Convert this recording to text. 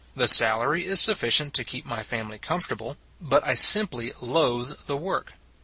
The salary is sufficient to keep my family comfortable, but I sim ply loathe the work.